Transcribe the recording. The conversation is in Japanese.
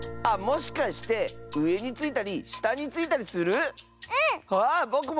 あっもしかしてうえについたりしたについたりする？